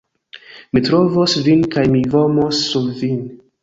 Mi trovos vin kaj mi vomos sur vin